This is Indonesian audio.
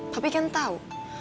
papi kan tahu